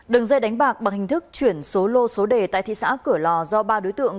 đường dây đánh bạc bằng hình thức chuyển số lô số đề tại thị xã cửa lò do ba đối tượng